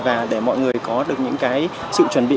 và để mọi người có được những cái sự chuẩn bị